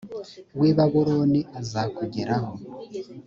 w i babuloni izakugeraho